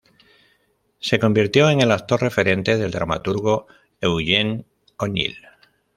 Se convirtió en el actor referente del dramaturgo Eugene O'Neill.